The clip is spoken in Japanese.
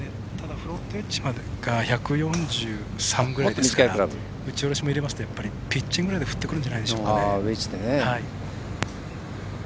フロントエッジまでが１４３ぐらいなので打ち下ろしも入れますとピッチングで振ってくるんじゃないでしょうか。